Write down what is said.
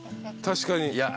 確かに。